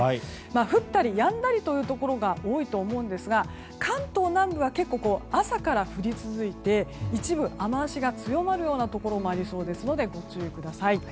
降ったりやんだりというところが多いと思いますが関東南部は結構朝から降り続いて一部、雨脚が強まるところもありそうですのでご注意ください。